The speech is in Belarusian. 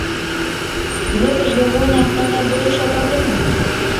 Гэта ж ягоная асноўная будучая праблема?